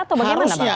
atau bagaimana bang